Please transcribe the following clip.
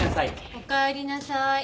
おかえりなさい。